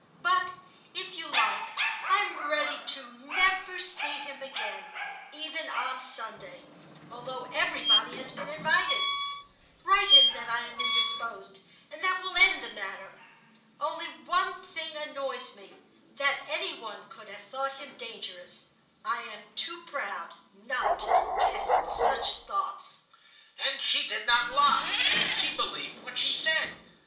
But if you like, I am ready to never see him again, even on Sunday, although everybody has been invited. Write him that I am indisposed, and that will end the matter. Only one thing annoys me,—that any one could have thought him dangerous. I am too proud not to detest such thoughts.' "And she did not lie. She believed what she said.